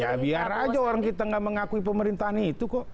ya biar aja orang kita nggak mengakui pemerintahan itu kok